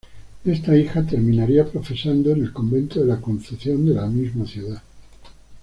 Esta hija terminaría profesando en el convento de la Concepción de la misma ciudad.